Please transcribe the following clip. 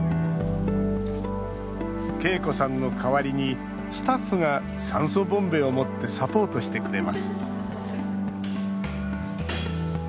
恵子さんの代わりにスタッフが酸素ボンベを持ってサポートしてくれます。